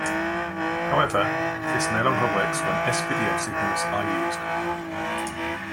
However, this no longer works when S-Video signals are used.